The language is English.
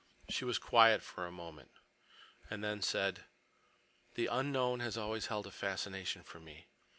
She was quiet for a moment, and then said: "The unknown has always held a fascination for me.